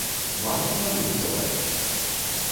Матам на вуліцы лаяўся?